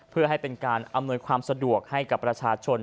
เพื่อให้เป็นการอำนวยความสะดวกให้กับประชาชน